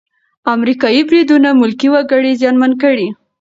امریکايي بریدونه ملکي وګړي زیانمن کړل.